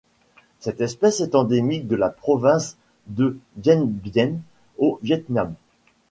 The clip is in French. Cette espèce est endémique de la province de Điện Biên au Viêt Nam.